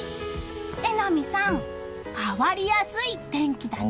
榎並さん、変わりやすい天気だね。